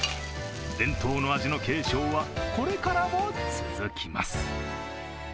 伝統の味の継承はこれからも続きます。